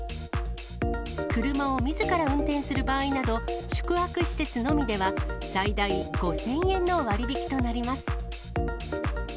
車をみずから運転する場合など、宿泊施設のみでは最大５０００円の割引となります。